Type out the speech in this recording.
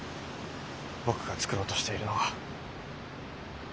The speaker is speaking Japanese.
僕が創ろうとしているのは。